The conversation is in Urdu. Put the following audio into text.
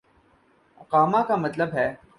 اقامہ کا مطلب ہے۔